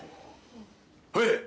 はい！